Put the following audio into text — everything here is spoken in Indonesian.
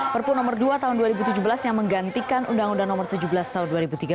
perpu nomor dua tahun dua ribu tujuh belas yang menggantikan undang undang nomor tujuh belas tahun dua ribu tiga belas